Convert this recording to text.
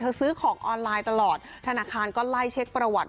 ซื้อของออนไลน์ตลอดธนาคารก็ไล่เช็คประวัติ